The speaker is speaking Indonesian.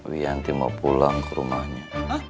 wiyanti mau pulang ke rumahnya